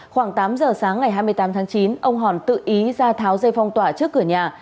khoảng tám giờ sáng ngày hai mươi tám tháng chín ông hòn tự ý ra tháo dây phong tỏa trước cửa nhà